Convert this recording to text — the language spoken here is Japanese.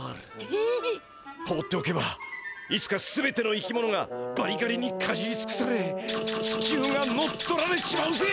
放っておけばいつか全ての生き物がバリガリにかじりつくされ地球が乗っ取られちまうぜ！